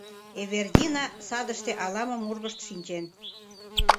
Эвердина садыште ала-мом ургышт шинчен.